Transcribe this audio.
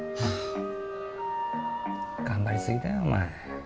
頑張りすぎだよお前。